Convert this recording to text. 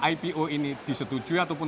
ipo ini disetujui ataupun